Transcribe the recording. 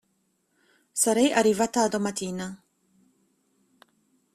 Sarei arrivata a domattina.